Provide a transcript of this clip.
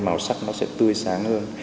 màu sắc nó sẽ tươi sáng hơn